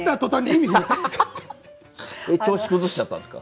調子崩しちゃったんですか。